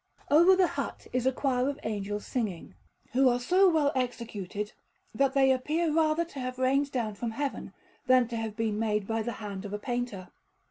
Over the hut is a choir of angels singing, who are so well executed, that they appear rather to have rained down from Heaven than to have been made by the hand of a painter.